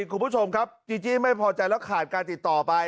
คุณผู้ชมครับจีจี้ไม่พอใจแล้วขาดการติดต่อไป